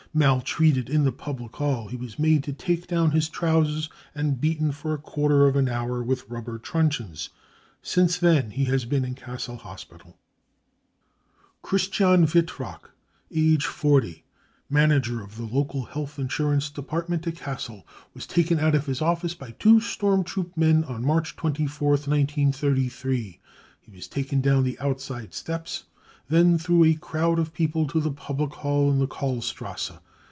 Maltreated in the public hall. He was made to take down his trousers, and beaten for quarter of an hour with rubber truncheons. Since then he has been in Cassel Hospital. 55 /'" Christian Wittrock, age over 40, manager of the local # health insurance department at Cassel, was taken out of his office by two storm troop men on March 24th, 222 BROWN BOOK OF THE HITLER TERROR I 933 He was taken down the outside steps, then through a crowd of people to the public hall in the Karlstrasse.